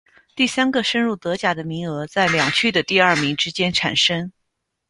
第三个升入德甲的名额在两区的第二名之间产生。